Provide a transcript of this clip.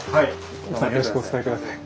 奥さんによろしくお伝え下さい。